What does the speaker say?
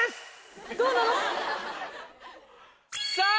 どうなの？